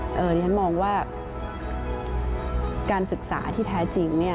อันนี้ฉันมองว่าการศึกษาที่แท้จริง